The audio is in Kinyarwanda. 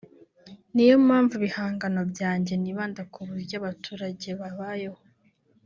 niyo mpamvu ibihangano byanjye nibanda ku buryo abaturage babayeho